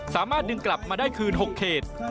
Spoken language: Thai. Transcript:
สามารถดึงกลับมาได้คืน๖เขต